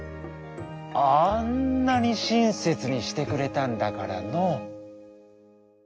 あんなにしんせつにしてくれたんだからのう」。